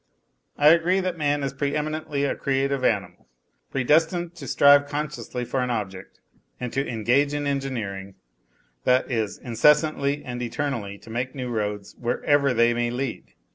I agree that man is pre eminently a creative animal, predestined to strive consciously for an object and to engage in engineering that is, incessantly and eternally to make new roads, wherever they may lead.